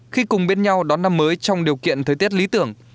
khi cùng bên nhau đón năm mới trong điều kiện thời tiết lý tưởng